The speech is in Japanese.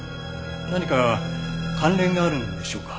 何か関連があるんでしょうか？